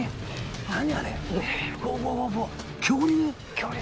恐竜。